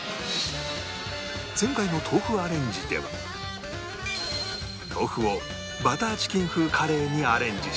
前回の豆腐アレンジでは豆腐をバターチキン風カレーにアレンジし